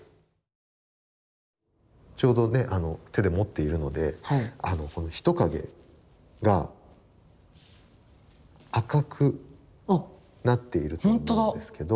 ちょうどね手で持っているので「ヒトカゲ」が赤くなっていると思うんですけど。